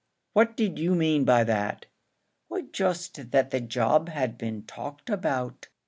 "What did you mean by that?" "Why just that the job had been talked about."